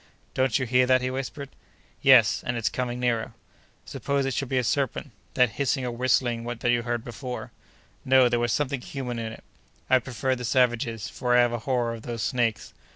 "Don't you hear that?" he whispered. "Yes, and it's coming nearer." "Suppose it should be a serpent? That hissing or whistling that you heard before—" "No! there was something human in it." "I'd prefer the savages, for I have a horror of those snakes."